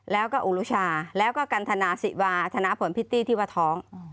แล้วก็อุรุชาแล้วก็กันทนาศิวาธนาผลพิตตี้ที่ว่าท้อง